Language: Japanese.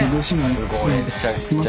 すごいね。